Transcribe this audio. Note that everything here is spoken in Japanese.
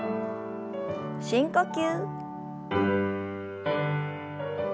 深呼吸。